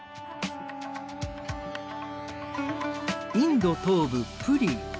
インド東部プリー。